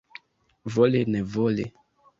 Vole nevole.